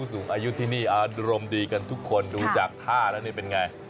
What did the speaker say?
พู้สูงอายุที่นี่อารมณ์ดีกันทุกคนดูอาจจะภาคและนี่เป็นไง